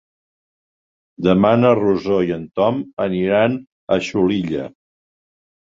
Demà na Rosó i en Tom aniran a Xulilla.